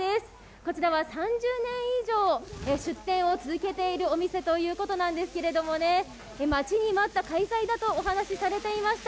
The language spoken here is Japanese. こちらは３０年以上、出店を続けているお店ということなんですけども、待ちに待った開催だとお話しされていました。